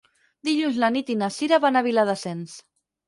Dilluns na Nit i na Sira van a Viladasens.